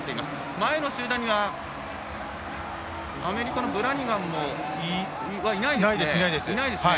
前の集団にはアメリカのブラニガンはいないですね。